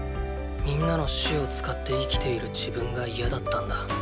皆の死を使って生きている自分が嫌だったんだ。